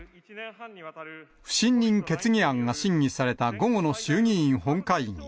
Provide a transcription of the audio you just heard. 不信任決議案が審議された午後の衆議院本会議。